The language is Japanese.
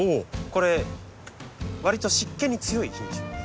これわりと湿気に強い品種です。